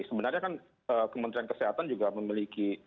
sebenarnya kan kementerian kesehatan juga memiliki